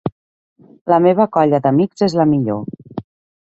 La meva colla d'amics és la millor.